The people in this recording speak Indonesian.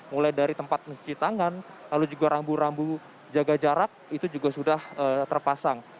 mulai dari tempat mencuci tangan lalu juga rambu rambu jaga jarak itu juga sudah terpasang